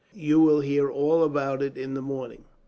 You will hear all about it, in the morning."